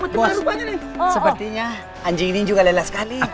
bos sepertinya anjing ini juga lela sekali